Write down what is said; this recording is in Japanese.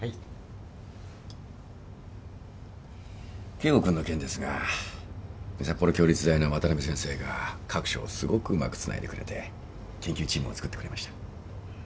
圭吾君の件ですが札幌共立大の渡辺先生が各所をすごくうまくつないでくれて研究チームをつくってくれました。